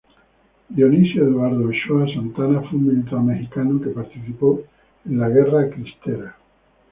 Dionisio Eduardo Ochoa Santana fue un militar mexicano que participó en la Guerra Cristera.